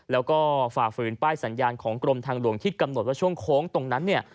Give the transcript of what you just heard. แล้วก็ฝ่าฝืนป้ายสัญญาณของกรมทางหลวงที่กำหนดว่าช่วงโค้งตรงนั้นเนี่ย